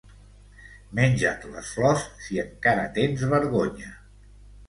Menja't les flors, si encara tens vergonya.